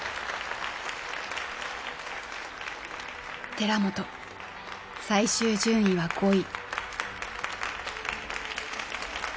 寺本最終順位は５位。